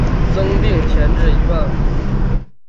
增邑并前至一万户。